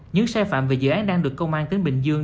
những sai phạm về dự án đang được công an tỉnh bình dương